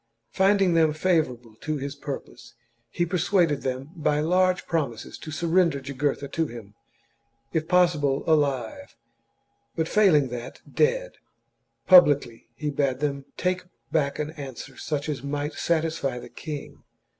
Finding them favourable to his purpose, he persuaded them, by large promises, to surrender Jugurtha to him, if pos sible alive, but, failing that, dead. Publicly, he bade them take back an answer such as might satisfy the king.